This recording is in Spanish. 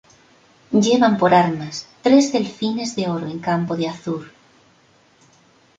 Llevan por armas tres delfines de oro en campo de azur.